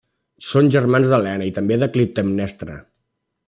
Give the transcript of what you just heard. Són germans d'Helena i també de Clitemnestra.